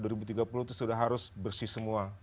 dua ribu tiga puluh itu sudah harus bersih semua